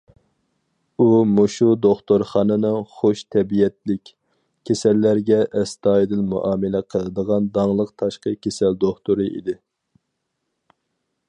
ئۇ مۇشۇ دوختۇرخانىنىڭ خۇش تەبىئەتلىك، كېسەللەرگە ئەستايىدىل مۇئامىلە قىلىدىغان داڭلىق تاشقى كېسەل دوختۇرى ئىدى.